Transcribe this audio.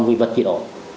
vì vật gì đó